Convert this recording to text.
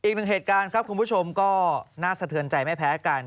อีกหนึ่งเหตุการณ์ครับคุณผู้ชมก็น่าสะเทือนใจไม่แพ้กัน